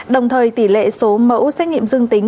đồng thời tỷ lệ số mẫu xét nghiệm dương tính